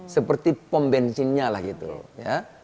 seperti pom bensinnya lah gitu ya